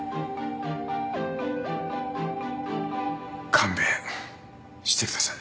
勘弁してください。